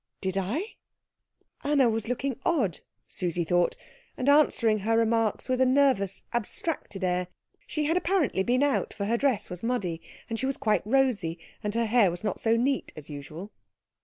"Did I?" Anna was looking odd, Susie thought, and answering her remarks with a nervous, abstracted air. She had apparently been out, for her dress was muddy, and she was quite rosy, and her hair was not so neat as usual.